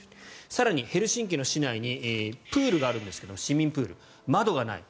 更にヘルシンキの市内に市民プールがあるんですが窓がない。